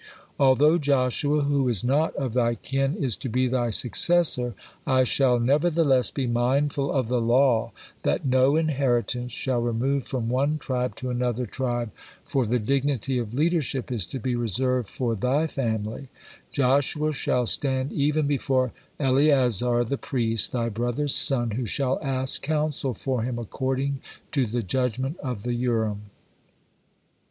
Although Joshua, who is not of thy kin, is to be thy successor, I shall nevertheless be mindful of the law that 'no inheritance shall remove from one tribe to another tribe,' for the dignity of leadership is to be reserved for thy family; Joshua 'shall stand even before Eleazar the priest, thy brother's son, who shall ask counsel for him according to the judgement of the Urim.'"